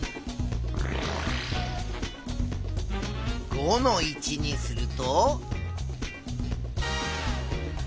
５の位置にすると？